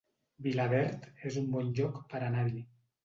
Vilaverd es un bon lloc per anar-hi